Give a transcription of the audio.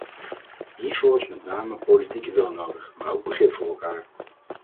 Hiervoor is met name politieke wil nodig, maar ook begrip voor elkaar.